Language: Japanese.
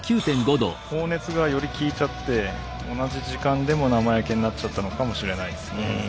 高熱がよりきいちゃって同じ時間でも生焼けになっちゃったのかもしれないですね。